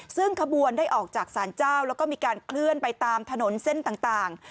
ซึ่งขบวนได้ออกจากสารเจ้าแล้วก็มีการเคลื่อนไปตามถนนเส้นต่าง